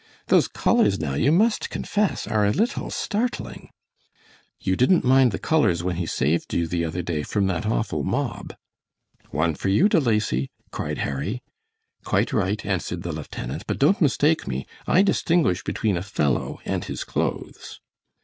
Those colors now you must confess are a little startling." "You didn't mind the colors when he saved you the other day from that awful mob!" "One for you, De Lacy," cried Harry. "Quite right," answered the lieutenant, "but don't mistake me. I distinguish between a fellow and his clothes."